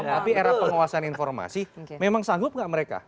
tapi era penguasaan informasi memang sanggup gak mereka